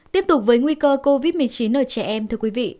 tiếp tục với nguy cơ covid một mươi chín ở trẻ em thưa quý vị